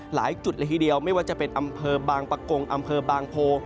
หลายจุดละทีเดียวไม่ว่าจะเป็นอำเภอบางปะกงอำเภอบางโพ